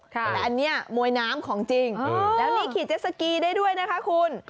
แต่อันนี้มวยน้ำของจริงแล้วนี่ขี่เจสสกีได้ด้วยนะคะคุณ